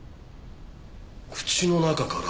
口の中から？